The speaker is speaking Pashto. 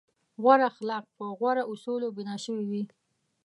غوره اخلاق په غوره اصولو بنا شوي وي.